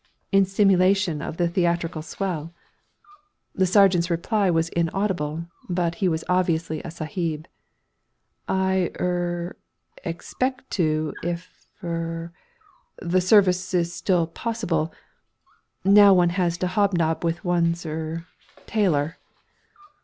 in simulation of the theatrical swell. The sergeant's reply was inaudible, but he was obviously a sahib. "I er expect to if er the Service is still possible. Now one has to hobnob with one's er tailor...."